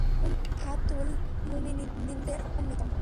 উম্মাহাতুল মুমিনীনদের অন্যতম।